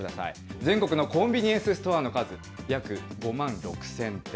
全国のコンビニエンスストアの数、約５万６０００店。